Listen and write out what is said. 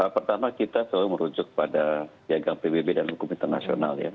pertama kita selalu merujuk pada piagam pbb dan hukum internasional ya